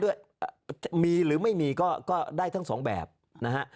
ด้วยมีหรือไม่มีก็ได้ทั้งสองแบบนะฮะ